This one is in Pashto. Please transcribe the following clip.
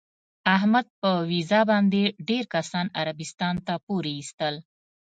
احمد په ویزه باندې ډېر کسان عربستان ته پورې ایستل.